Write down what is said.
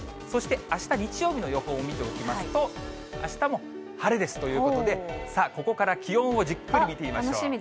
そして、あした日曜日の予報を見ておきますと、あしたも晴れですということで、さあ、ここから気温をじっくり見てみましょう。